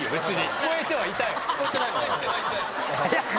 聞こえてはいたよ。早く！